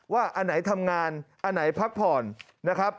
อันไหนทำงานอันไหนพักผ่อนนะครับ